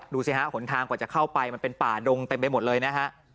ดูสิฮะหนทางกว่าจะเข้าไปมันเป็นป่าดงเต็มไปหมดเลยนะฮะ